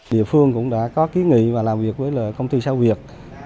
địa phương cũng đã có ký nghị và làm việc với công ty sao việt